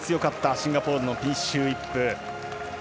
シンガポールのピンシュー・イップ。